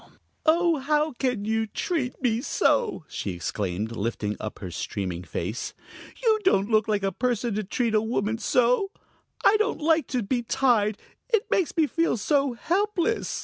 "Oh, how can you treat me so!" she exclaimed, lifting up her streaming face. "You don't look like a person to treat a woman so. I don't like to be tied; it makes me feel so helpless."